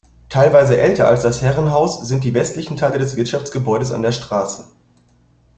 Teilweise älter als das Herrenhaus sind die westlichen Teile des Wirtschaftsgebäudes an der Straße.